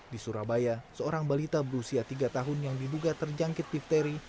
di surabaya seorang balita berusia tiga tahun yang diduga terjangkit difteri